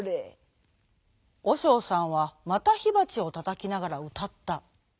おしょうさんはまたひばちをたたきながらうたった。